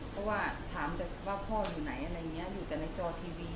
เพราะว่าถามแต่ว่าพ่ออยู่ไหนอะไรอย่างนี้อยู่แต่ในจอทีวี